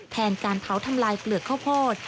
แทนการเผาทำลายเปลือกข้าวโพด